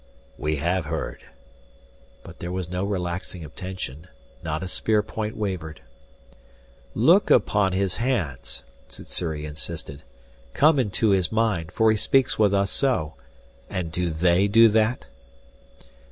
"We have heard." But there was no relaxing of tension, not a spear point wavered. "Look upon his hands," Sssuri insisted. "Come into his mind, for he speaks with us so. And do they do that?"